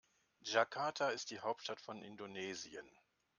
Jakarta ist die Hauptstadt von Indonesien.